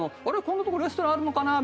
こんな所にレストランあるのかな？